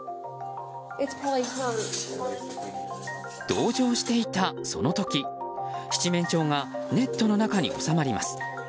同情していたその時七面鳥がネットの中に収まります。